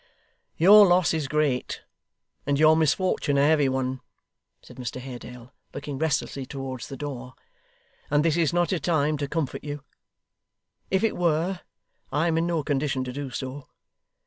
'Your loss is great, and your misfortune a heavy one,' said Mr Haredale, looking restlessly towards the door: 'and this is not a time to comfort you. If it were, I am in no condition to do so.